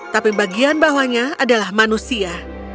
tapi bagian bawahnya adalah manusia